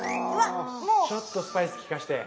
ちょっとスパイスきかして。